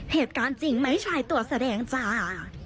เหตุการณ์จริงไม่ใช่ตัวแสดงจ้า